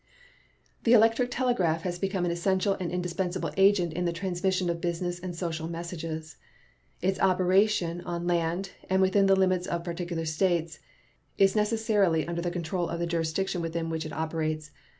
The electric telegraph has become an essential and indispensable agent in the transmission of business and social messages. Its operation on land, and within the limit of particular states, is necessarily under the control of the jurisdiction within which it operates.